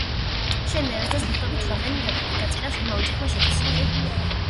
შენ ვერასდროს მიხვდები თუ რამდენი გაწირა შენმა ოჯახმა შენთვის.